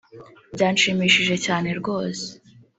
byanshimishije cyane rwose